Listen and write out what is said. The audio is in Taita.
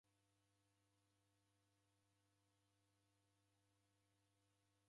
Ivi vindo vabiya munyu.